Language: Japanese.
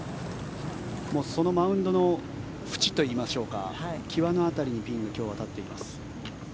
そのマウンドの縁といいましょうか際の辺りにピンが今日立っています。